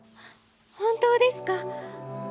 本当ですか？